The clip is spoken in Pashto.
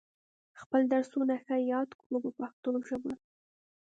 خپل درسونه ښه یاد کړو په پښتو ژبه.